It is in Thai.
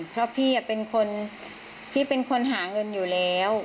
เพราะพี่เป็นคนหาเงินอยู่แล้ว